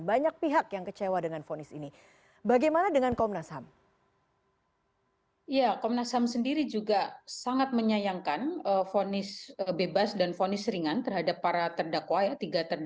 banyak pihak yang kecewa dengan vonis ini